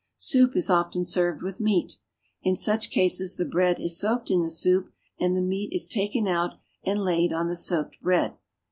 Soup is often served with meat. In such cases the bread is soaked in the soup, Knd the meat is then taken out and laid on the soaked ^d.